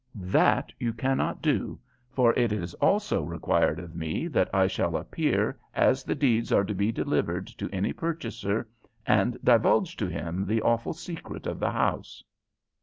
"That you cannot do, for it is also required of me that I shall appear as the deeds are to be delivered to any purchaser, and divulge to him the awful secret of the house."